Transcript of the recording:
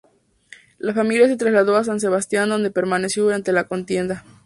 La familia se trasladó a San Sebastián donde permaneció durante la contienda.